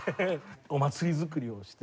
お祭り作りをしていて。